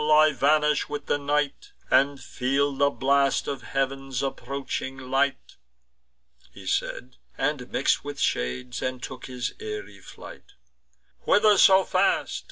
I vanish with the night, And feel the blast of heav'n's approaching light." He said, and mix'd with shades, and took his airy flight. "Whither so fast?"